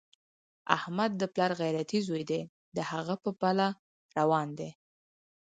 احمد د پلار غیرتي زوی دی، د هغه په پله روان دی.